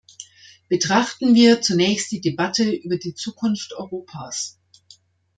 Betrachten wir zunächst die Debatte über die Zukunft Europas.